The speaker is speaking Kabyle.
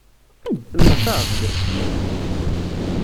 Temmektaḍ-d?